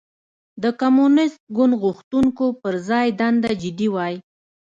د کمونېست ګوند غوښتنو پر ځای دنده جدي وای.